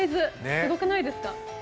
すごくないですか。